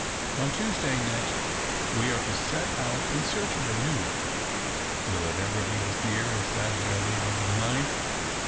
On Tuesday next we are to set out in search of a new one. Will it ever be as dear as that we are leaving behind?